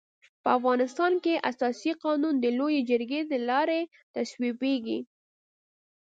په افغانستان کي اساسي قانون د لويي جرګي د لاري تصويبيږي.